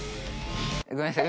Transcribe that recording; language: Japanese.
ごめんなさい。